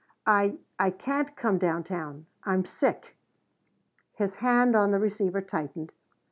"I I can't come down town. I'm sick." His hand on the receiver tightened.